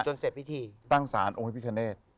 จนเสร็จพิธีตั้งสารเอาให้พิการเนฆ